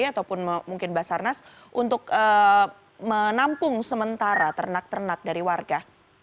ataupun mungkin basarnas untuk menampung sementara ternak ternak dari warga